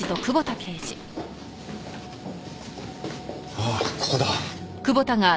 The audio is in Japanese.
ああここだ。